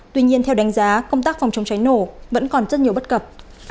tuy nhiên theo đánh giá công tác phòng chống cháy nổ vẫn còn rất nhiều bất cập